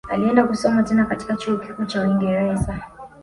Alienda kusoma tena katika chuo kikuu cha uingereza